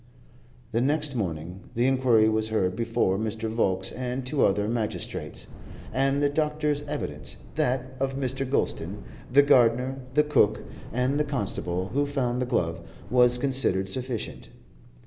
The next morning the inquiry was heard before Mr. Volkes and two other magistrates, and the doctor's evidence, that of Mr. Gulston, the gardener, the cook, and the constable who found the glove, was considered sufficient.